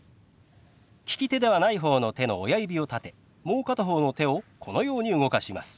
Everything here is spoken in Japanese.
利き手ではない方の手の親指を立てもう片方の手をこのように動かします。